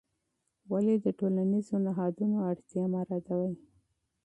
ولې د ټولنیزو نهادونو اړتیا مه ردوې؟